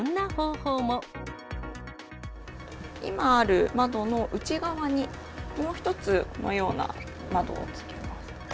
今ある窓の内側に、もう１つ、このような窓をつけます。